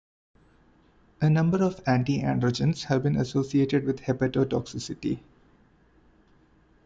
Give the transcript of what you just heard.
A number of antiandrogens have been associated with hepatotoxicity.